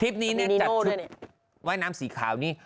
ทริปนี้จัดจุดว่ายน้ำสีขาวนี่